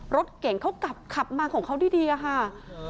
รถเก่งเขากลับขับมาของเขาดีอะค่ะ